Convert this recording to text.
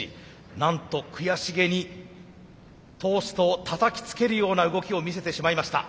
なんと悔しげにトーストをたたきつけるような動きを見せてしまいました。